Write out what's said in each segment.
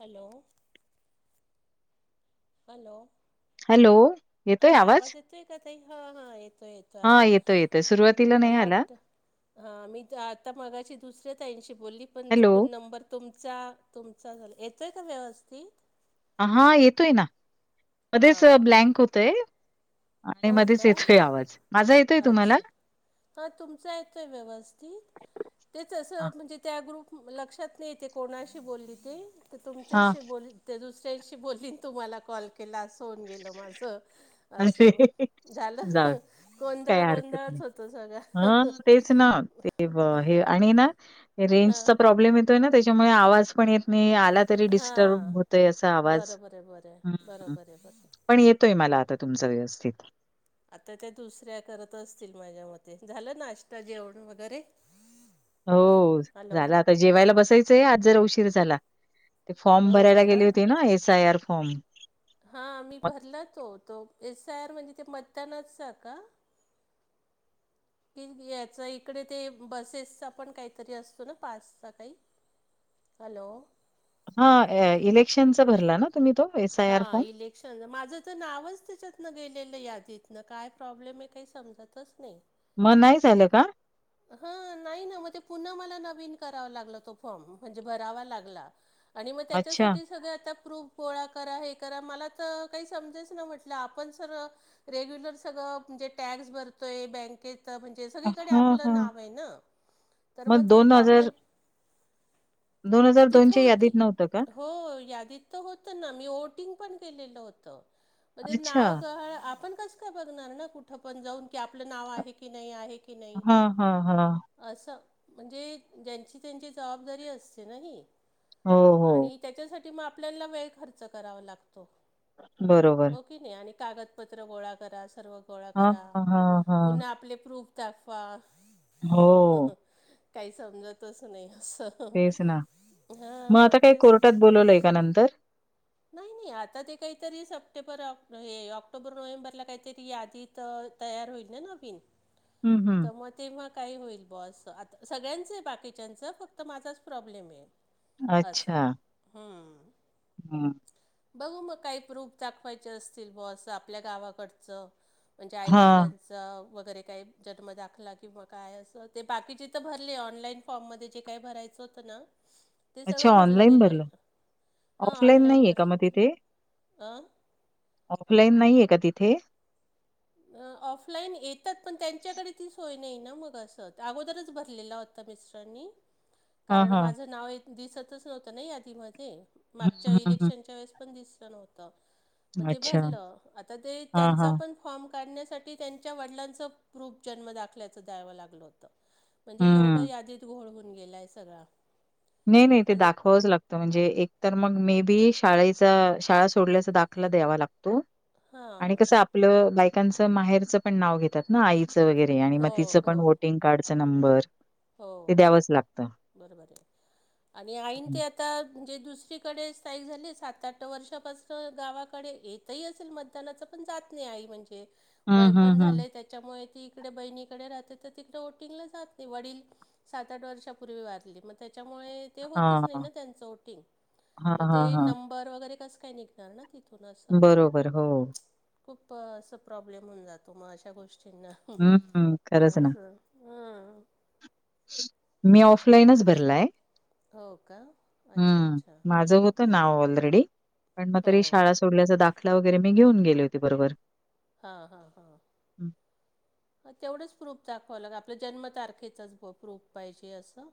Hello hello hello हा आवाज येतोय का तई हा हा येतोय येतोय हां, आवाज, येतोय, येतोय. सुरुवातीला नाही आला हा मी आता मगाशी दुसऱ्या ताईंशी बोलली पण हॅलो. चुकून नंबर तुमचा तुमचा झालं येतं आहे का व्यवस्थित, हा येतोय ना मध्येेच हां ब्लँक होतय, आणि हो मध्येच का येत काही आवाज, माझा येतोय तुम्हाला? अच्छा हा तुमचं येतोय व्यवस्थित, तेच असं हां, म्हणजे त्या ग्रुप लक्षात नाही येते कोणाशी बोलली ते, तर हां. तुमच्याशी बोल ते दुसऱ्यांशी बोललीन तुम्हाला कॉल केलास. होन गेलं माझ अस झालं काय गोंधळ हरकत गोंधळच नाही होतो सगळा. हा तेच ना ते वाहे, ें हां प्रब्म य त्याच्या आण य तरी हां. डिस्टर्ब होतोय असा आवाज, बरोबर आहे बरं आहे बरोबर आहे बरं. तुमच व्यवस्थित आता त्या दुसऱ्या करत असतील माझ्या मते झालं नाश्ता जेवण वगैरे, हमम हो झाला आता जेवायला बसायचंय आज जर उशीर झाला. ते फॉर्म हो भरायला गेले का? होते ना एस आय आर फॉर्म, हा मी भरला तो तो एस आय आर म्हणजे ते मतदानाचा का, [inaudible] कि याचा इकडे ते बसेसचा पण काहीतरी असतो ना पासचा काही, हॅलो हा इलेक्शनचा भरला ना तुमहीो पा हा इले कण माझं तर नावच त्याच्यातनं गेलेलं यादीत ना काय प्रॉब्लेम आहे काही समजतच नाही. मग नाही चालं का हा नाही ना मग ते पुन्हा मला नवीन करावा लागलं तो फॉर्म म्हणजे भरावा लागला. आणि मग अच्छा. त्याच्यासाठी सग आता प्रूफ पोळा करा हे करा मला तर काही समजेच ना म्हटलं आपण सर, रेग्युलर सगळणजे टॅक्स भरतोय बँकेत म्हणजे हां, हां. सगळीकडे मग मग प्र् तिथं च्या होते यादीत नव्हतं का? हो यादीत तर होतं ना मी ओटिंग पण केलेलं होतं म ते अच्छा. नाव गहळ आपण कस का बघणार ना कुठ पण जाऊन की आपलं नाव आहे की नाही आहे की नाही हम् हम् हम् असं म्हणजे ज्यांची त्यांची जबाबदारी असते ना हो, हो. आणि त्याच्यासाठी मग आपल्याला वेळ खर्च करावा लागतो बरोबर हो कागदपत्र ग करा सव गोळा हां, करा हां, हां. पु्हा आप प्र तफा हो काही समजतच नाही असं तेच हा तेच बोलवलं एका नंतर नाही नाही आता ते काहीतरी सप्टेंबर हे ऑक्टोबर नोव्हेंबरला काहीतरी यादीत तयार होईल न नवीन हं, हं. तर मग ते तेव्हा काही होईल बॉ आस आता सगळ्यांचं आहे बाकीच्यांचं फक्त माझाच प्रॉब्लेम आहे असं अच्छा हम्म. हम् बघू मग काही प्रूफ दाखवायचे असतील ब असं आपल्या गावाकडचं म्हणजे हां. आईवडिलांचं अस वगैरे काही जन्म दाखला किंवा काय असं ते बाकीचे तर भरले ऑनलाईन फॉर्म म जे काय भरायचं होत ना ते अच्छा सगळं भरलं ऑनलाईन गेलं आहे हां ऑफलाईन ऑनलाईन नाहीये का मग भरलं तिथे? ह ऑफलाईन नाही आहे का तिथे ऑफलाईन येतात पण त्यांच्याकडे ती सोय नाही ना मग अस अगोदरच भरलेला होता ता मिस्टरा नी हां, कारण हां. माझं नाव दिसतच नव्हतं ना यादीमध्ये मागच्या हं, हं, इलेक्शनच्या वेळेस पण दिसलं नव्हत मग हं. ते अच्छा. भरला आता ते हां, त्याचं हां. पण फॉर्म काढण्यासाठी त्यांच्या वडिलांच प्रूफ जन्म दाखल्याचं द्यावं लागलं होत म्हणजे एवढं हं. यादीत घोळ होऊन गेलाय सगळा नाही नाही ते आणि दाखवावच लागत म्हणजे एक तर मग मे बी शाळेचा शाळा सोडल्याचा दाखला द्यावा लागतो आणि हां कसं आपलं बायकांच माहेरचं पण नाव घेतात ना आईचं वगैरे आणि मग हो तिचं हो पण वोटिंग कार्ड नंबर हो ते द्यावंच लागतं. बरोबर आहे आणि आईन हं. ते आ आता म्हणजे दुसरीकडे स्थायिक झाले सात आठ वर्षापासून गावाकडे येत ह असेल मतदानाच पण जात नाही आई म्हणजे वय हं, पण हं, हं. झालंय त्याच्यामुळे ती इकडे बहिणीकडे राहते तर तिकडे ओटिंगला जात नाही वडील सात आठ वर्षापूर्वी वारली मग त्याच्यामुळे होतच नाही हां, ना त्यांंच वोटिंग हां, मग ते हां, हां. नंबर वरे कस काय निघणार ना तिथून असं बरोबर हो खूप असं प्रॉब्लेम होऊन जातो मग अशा गोष्टींना हम्म हम्म खरंच ना हा मी ऑफलाईनच भरलाय हो का अच्छा हम् अच्छा माझ होत नाव ऑलरेडी पण मग हो तरी शाळा सोडल्याचा दाखला वगरे मी घेऊन गेले होती बरोबर हा हा हा तेवढंच प्रूफ दाखवावं लाग आपल्या जन्मतारखेचाच प्रूफ पाहिजे असं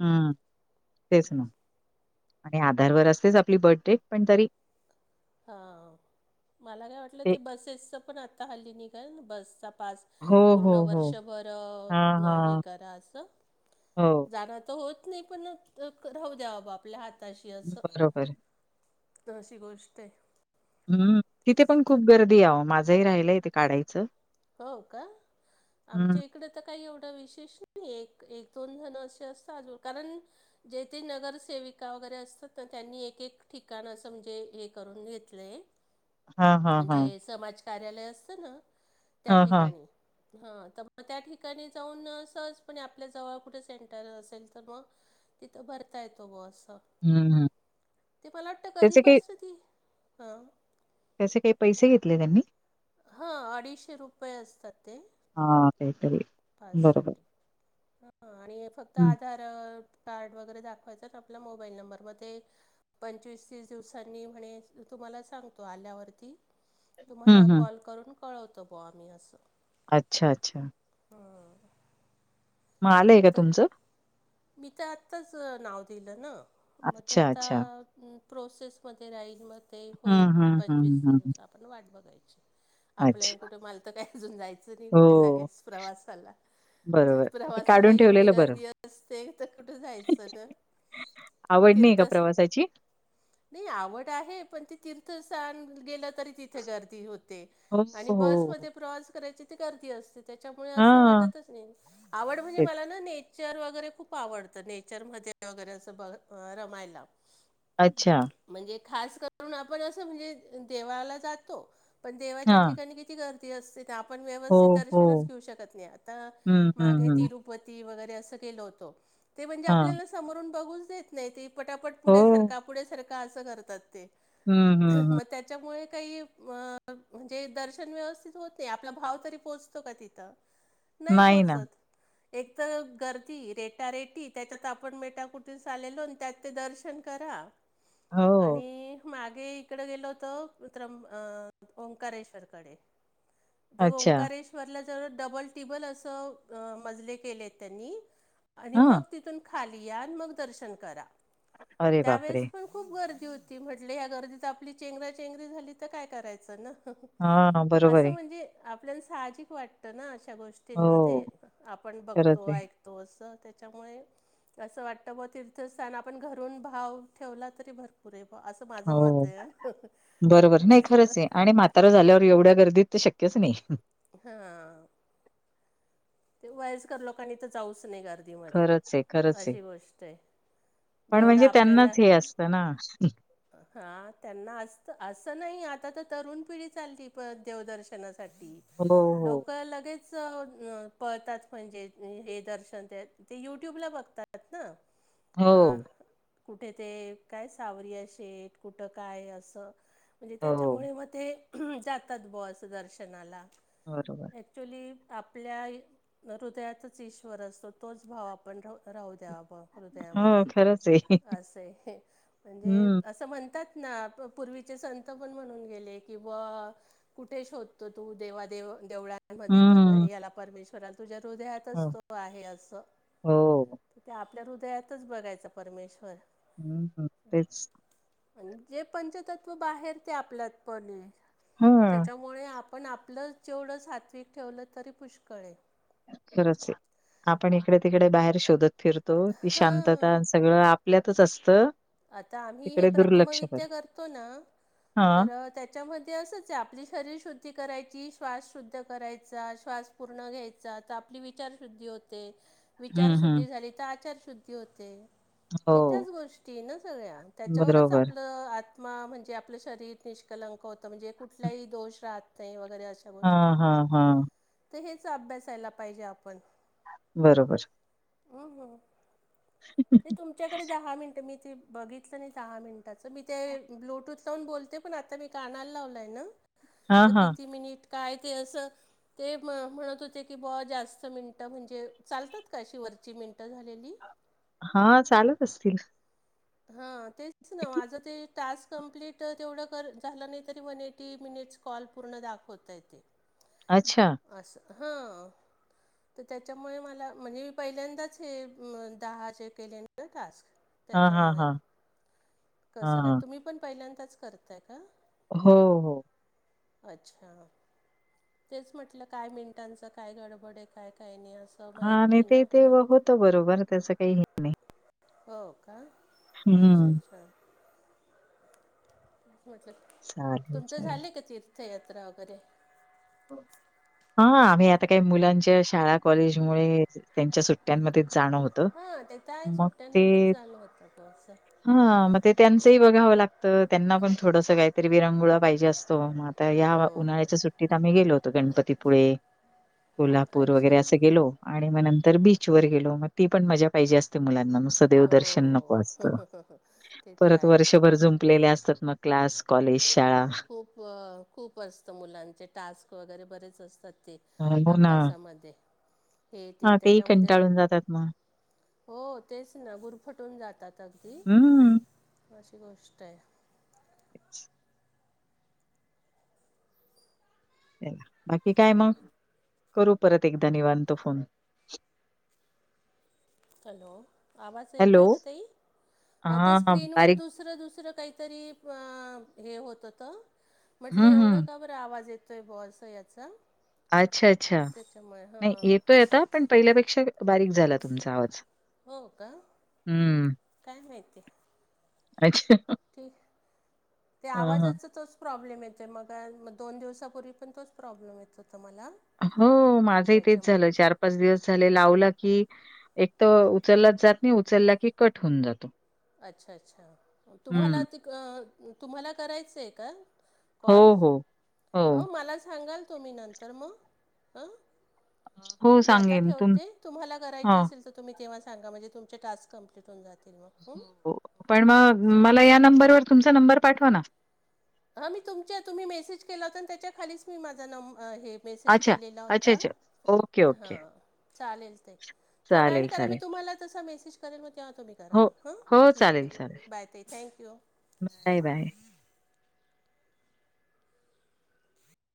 हम्म तेच ना आणि आधारवर असतेच आपली बर्थडेट पण तरी हा मला काय वाटलं ते बसेसचं पण आत्ता हल्ली निघाल बसचा पास हो, हो, पूर्ण हो. वर्षभर हां, हे हां. करा असं हो. जाणं तर होत नाही पण राहऊ द्या बाबा आपल्या हाताशी बरोबर. असं अशी गोष्ट आहे हम्म तिथे तेच. पण खूप गर्दी आहे आहों माझंही राहिलंय तेे काढायचं हो का हं. आमचे कडे तर काही एवढ विशेष नाही दोन जण असे असतातज कारण जे तेे नगरसेविका वगैरे असतात ना त्यांनी एक एक ठिकाण असं म्हणजे हे करून घेतलंय हां, हां, जे हां. समाज कार्यालय असत ना त्या हां, हां. ठिकाणी हा तर मग त्या ठिकाणी जाऊन सहजपणे आपल्या जवळ कुठे सेंटर असेल तर मग तिथं भरता येतो ग असं हं, हं. ते मला वाटत कधी त्याचे बसत ती हां त्यासे काही पैसे घेतले त्यांनी हा अडीचशे रुपये असतात ते हा तेेतरी फजसाठी हा आणि फक्त हं. आधार कार्ड वगैरे दाखवायचं आपला मोबाईल नंबर म ते पंचवीस तीस दिवसांनी म्हणे तुम्हाला सांगतो आल्यावरती हं, तुम्हाला हं. कॉल करून कळवतो बो आम्ही असं अच्छा अच्छा ह मग आलंय का तुमचं मी तर आत्ताच नाव दिलं ना मग ते अच्छा, आता अच्छा. प्रोसेसमध्ये राहील मग ते होईल हं, हं, हं, पंचवीस हं, हं. दिवस आपण वाट बघायची आपल्या अच्छा. कुठं मला तर काही अजून जायचं नाही हो, कुठे लगेच प्रवासाला बरोबर. ते प्रवासाला काढून एवढी ठेवलेलं बरं. गर्दी अस तेे तर कुठं जायचं तर आवड नाही का तिर्थस प्रवासाची? नाही आवड आहे पण त तीर्थस्थान गेलं तरी तथे गर्दी होते हो, आणि हो, बसमध्ये हो. प्रवास करायची ते गर्दी असते त्याच्यामुळे असं हां. वाटतच नाही आवड म्हणजे तेच. मला ना नाही चर वगैरे खूप आवडतं नेचर मध्ये वगैरे अस ब रमायला अच्छा म्हणजे खास करून आपण असं म्हणजे देवाला जातो पण देवाच्या हां. ठिकाणी किती गर्दी असते आपण हो, व्यवस्थित दर्शनच हो. घेऊ शकत नाही आता हं, हं, मागे हं. तिरुपती वगैरे अस ण हां. आपल्या समो नाहीा हो. हं, हं, म हं. त्याच्यामुळे काही म्हणजे दर्शन व्यवस्थित होत नाही आपला भाव तरी पोहोचतो का तिथं नाही पोहोचत एक तर घर रेटा रेटी त्याच्यात आपण मेटा कुठून आलेलो त्यात ते दर्शन करा हो. आणि मागे तडे गेलो होत्र ओंकारेश्वर कडे अच्छा. ओकारेश म त्यां हां. त खा म दर्शन करा अरे त्या बापरे! पण खूप गर्दी होती म्हटले या गर्दीत आपली चेंगरा चेंगरी झाली तर काय करायचं ना हां, बरोबर असं आहे. म्हणजे आपल्याला साहजिक वाटतं ना अशा हो, गोष्टींमध्ये आपण खरंच बघतो आहे. ऐको तो अस त्याच्यामुळे असं वाटतं ब तीर्थस्थान आपण घरून भाव ठेवला तरी भरपूर आहे ब अस हो बरोबर नाही असं खरंच आहे आणि म झाल्यावर एवढ्या गर्दीत तर शक्यच नाही हा ते वयस्कर लोकांनी तर जाऊच नाही गर्दीमध्ये खरंच आहे, खरंच आहे. अशी गोष्ट आहे पण जेवढं म्हणजे त्यांनाच हे असतं ना हा त्यांना असत असं नाही आता तर तरुण पिढी चालली प देवदर्शनासाठी हो, हो. लोक लगेच पळतात म्हणजे हे दर्शन त्या ते युट्यूबला बघतात ना अं हो, कुठे ते काय सावरिया शेेत कुठं काय असं म्हणजे हो. त्याच्यामुळे मग ते जातात बस दर्शनाला बरोबर ॲक्च्युली आपल्या हृदयातच ईश्वर असतो तोच भाव आपण राहू द्या भा हृदयामध्ये हो, खरंच आहे. असे हे म्हणजे हं, असं म्हणतात ना पूर्वीचे संत पण म्हणून गेले किंवा कुठे शोधतो तू देवा देव देवळात मध्ये हं. परमे याला परमेश्वरा तुझ्या हृदयातच हो, असतो आहे असं. हो. त्या आपल्या हृदयातचं बघायचा परमेश्वर हं हम तेच जे पंचतत्व बाहेर ते आपल्यात पण आहे हां, त्याच्या मुळे आपण आपलं जेवढं सात्विक ठेवलं तरी पुष्कळय खरचं आहे आपण इकडे तिकडे बाहेर शोधत फिरतो ती शांतता हां सगळं. आपल्यातचं असतं. आता आम्ही हे तिकडे दुर्लक्ष ब्रह्मविद्या करतो ना हां. तर त्या त्याच्यामध्ये असंच आपली शरीर शुद्धी करायची श्वास शुद्ध करायचा श्वास पूर्ण घ्यायचा तर आपली विचार शुद्धी होते. हं, हं. विचारशुद्धी झाली तर आचार शुद्धी होते हो, हे त्याच गोष्- तीनचं वेळा त्याच्यावरचं बरोबर. आपलं आत्मा म्हणजे आपलं शरीर [inaudible] होत म्हणजे कुठही दोष राहत नाही वगैरे अशा गोष्टी हां, हां, हां. तर हेचं अभ्यासायला पाहिजे आपण बरोबर. [unintelligible] [unintelligible] ते तुमच्याकडे दहा मिनिटं मी ते बघितलं नाही दहा मिनिटाचं मी ते ब्लूटूथ साऊन बोलते. आता मी कानाला लावलय ना हां, तर हां. किती मिनिट काय ते असं. ते म म्हणत होते की, ब जास्त मिनटं म्हणजे चालतात का? अशी वरची मिनटं झालेली. हां चालत असतील. हां तेच ना माझं ते टास्क कंप्लीट तेवढं कर झालं नाही तरी वन एटी मिनिट्स कॉल पूर्ण दाखवता येते. [unintelligible] अच्छा. असं हां. तर त्याच्यामुळे मला म्हणजे पहिल्यांदाच हे म दहा अशे केले टास्क. हां, हां, होयं हां. कस काय हां. तुम्ही पण पहिल्यांदाच करताय का? हो. अच्छा. तेच म्हटलं काय मिनिटांचं काय गडबड आहे काय काय नाही असं. हां माहीत नाय नाही ते ना ते आपल्या होतं बरोबर त्याचं काहीहेच नाही. हो का अच्छा हं. अच्छा [unintelligible] चालेल, तुमचं चालेल. झालंय का तीर्थयात्रा वगैरे हां आम्ही आता काय मुलांच्या शाळा कॉलेज मुळे त्यांच्या सुट्ट्यांमध्येचं जाणं होतं. हां ते त्या मग सुट्ट्यांमध्येच ते झालं होतं तसं. हां मग ते त्यांचंही बघावं लागतं त्यांना पण थोडसं काहीतरी विरंगुळा पाहिजे असतो म या हो. उन्हाळ्याच्या सुट् आम्ही गेलो होतो गणपतीपुळे कोल्हापूर अच्छा. वगैरे असे गेलो. आणि मग नंतर बीचवर गेलो मग ती पण मजा पाहिजे असते मुलांना हो. देवदर्शन नको असतं ते तर परत आहे. वर्षभर जुम्पलेले असतात ना. क्लास कॉलेज शाळा बरं खूप व खूप असतं मुलांचे टास्क वगैरे बरेच असतात ते हो ना. अभ्यासामध्ये हे ते हां, तेही त्याच्यामध्येच कंटाळून जातात मग. हो तेच ना गुरफटून जातात अगदी हं. अशी गोष्ट आहे अच्छा बाकी काय मग करू परत एकदा निवांतो फोन हॅलो आवाज यायेतो हॅलो? आहे का तेई हां ते स्क्रीनवर दुसरं दुसरं काहीतरी अ हे होत त म्हटलं हं, एवढं हं. का बरं आवाज येतोय बॉस याचा अच्छा, अच्छा, त्याच्यामुळे नाही हां येतोयआता. पण पहिल्यापेक्षा बारीक. तुमचा आवा् हो का काय माहिती अच्छा ठीक ते हां, हां. आवाजाच तच प्रॉब्लेम येते मग मग दोन दिवसापूर्वी पण तोच प्रॉब्लेम येत होता मला हो माझंही तेच त्याच्यामुळे झालं चार पाच दिवस झाले लावला की एक तर उचललाच जात नाही उचलला की कट होऊन जातो अच्छा अच्छा तुम्हाला हं. त तुम्हाला करायचंय का हो, कॉल्स हो. हो मला सांगाल तुम्ही नंतर मग हं हो, मी आता सांगेन तुम ठेवते तुम्हाला करायचे हां. असेल तर तुम् तेव्हा सांा म्हणजेुमचे टास् कंप्ट होऊ जातीलग हो पण मग मला या नंबरवर तुमचा नंबर पाठवा ना हा मी तुमच्या तुम्ही मेसेज केला होता आणि त्याच्या खालीच मी माझा नं हे मेसेज अच्छा, केलेला अच्छा, होता अच्छा. Okay, okay. हां चालेल ते थोडा आणि चालेल, करा मी चालेल. तुम्हाला तससा मेसेज करेल मग तेव्हा तुम्ही कररा हो, मग हो, ठीक चालेल, आहे चालेल. बाय ते थँक्यू बाय बाय